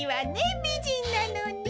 びじんなのに。